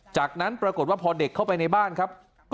จากนั้นปรากฏว่าพอเด็กเข้าไปในบ้านครับ